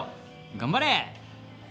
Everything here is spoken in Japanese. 頑張れー